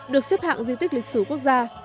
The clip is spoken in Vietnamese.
được xếp hạng di tích lịch sử quốc gia